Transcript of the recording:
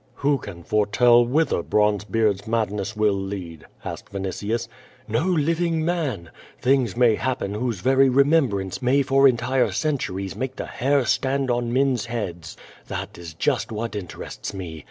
"Who can foretell whither Bronzebeard's madness will lead?" asked Vinitius. "Xo living man. Things may happen whose very remem brance may for entire centuries make the hair stand on men's heads. That is just what interests me.